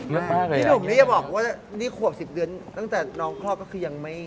พี่หนุ่มนี่จะบอกว่านี่ขวบ๑๐เดือนตั้งแต่น้องคลอดก็คือยังไม่